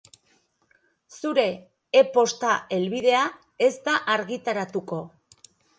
Zure e-posta helbidea ez da argitaratuko